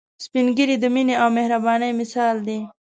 سپین ږیری د مينه او مهربانۍ مثال دي